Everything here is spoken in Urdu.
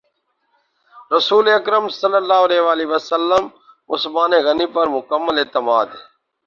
رسول اکرم صلی اللہ علیہ وسلم عثمان غنی پر مکمل اعتماد